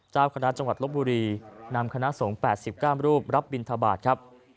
เจ้าคณะจังหวัดลบบุรีนำคณะสงฆ์๘๙รูปรับบินทบาทครับ